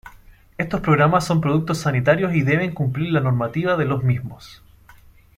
Estos programas son productos sanitarios y deben cumplir la normativa de los mismos.